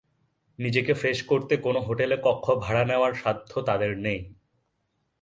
নিজেকে ফ্রেশ করতে কোনো হোটেলে কক্ষ ভাড়া নেওয়ার সাধ্য তাঁদের নেই।